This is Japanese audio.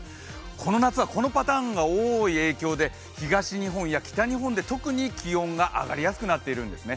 この夏はこのパターンが多い影響で、東日本や北日本で特に気温が上がりやすくなってるんですね。